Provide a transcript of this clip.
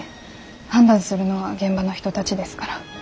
判断するのは現場の人たちですから。